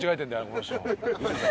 この人。